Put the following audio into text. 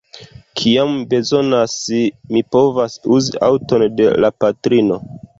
Kiam mi bezonas, mi povas uzi aŭton de la patrino.